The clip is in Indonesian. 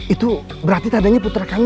itu berarti tandanya putra kami